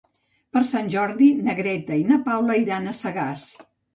Per Sant Jordi na Greta i na Paula iran a Sagàs.